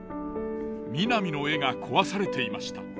みなみの絵が壊されていました。